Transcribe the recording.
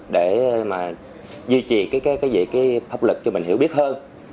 để mà duy trì cái gì cái pháp luật cho mình hiểu biết hơn